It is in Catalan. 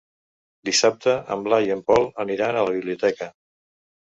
Dissabte en Blai i en Pol aniran a la biblioteca.